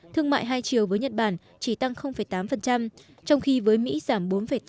thương mại hai chiều với nhật bản chỉ tăng tám trong khi với mỹ giảm bốn tám